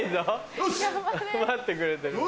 待ってくれてるよ。